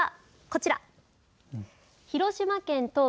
こちら。